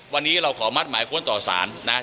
วันนี้เราขอมัดหมายค้นต่อสารนะครับ